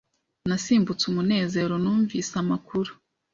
Nasimbutse umunezero numvise amakuru.